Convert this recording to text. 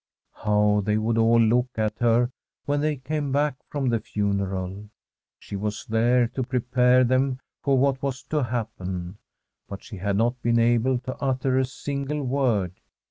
How they would all look at her when they came back from the funeral ! She was there to prepare them for what was to happen, but she had not been able to utter a single word.